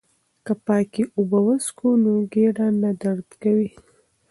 که پاکې اوبه وڅښو نو ګېډه نه درد کوي.